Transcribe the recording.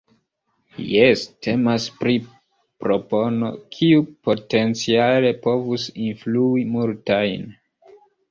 Jes, temas pri propono, kiu potenciale povus influi multajn.